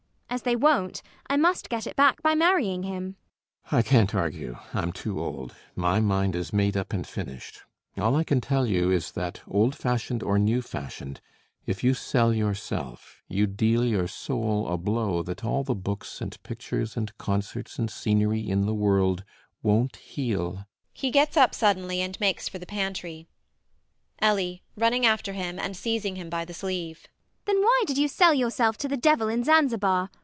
As they won't, I must get it back by marrying him. CAPTAIN SHOTOVER. I can't argue: I'm too old: my mind is made up and finished. All I can tell you is that, old fashioned or new fashioned, if you sell yourself, you deal your soul a blow that all the books and pictures and concerts and scenery in the world won't heal [he gets up suddenly and makes for the pantry]. ELLIE [running after him and seizing him by the sleeve]. Then why did you sell yourself to the devil in Zanzibar?